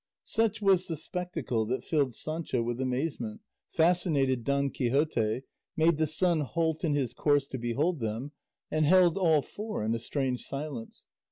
Such was the spectacle that filled Sancho with amazement, fascinated Don Quixote, made the sun halt in his course to behold them, and held all four in a strange silence.